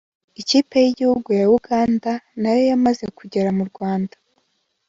Ikipe y’igihugu ya Uganda na yo yamaze kugera mu Rwanda